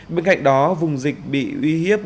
bên cạnh đó vùng dịch bị uy hiếp